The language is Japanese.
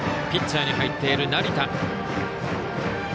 ピッチャーに入っている成田。